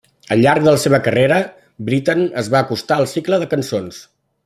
Al llarg de la seva carrera, Britten es va acostar al cicle de cançons.